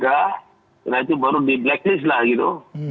karena itu baru di blacklist lah gitu